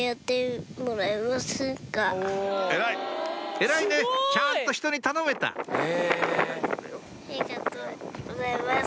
偉いねちゃんとひとに頼めたありがとうございます。